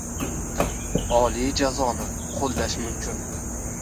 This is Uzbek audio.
Oliy jazoni qo‘llash ham mumkin!